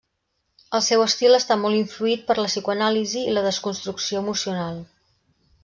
El seu estil està molt influït per la psicoanàlisi i la desconstrucció emocional.